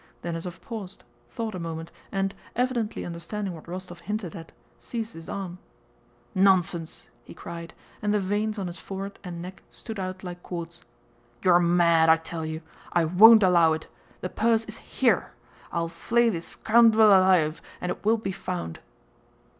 Denísov paused, thought a moment, and, evidently understanding what Rostóv hinted at, seized his arm. "Nonsense!" he cried, and the veins on his forehead and neck stood out like cords. "You are mad, I tell you. I won't allow it. The purse is here! I'll flay this scoundwel alive, and it will be found."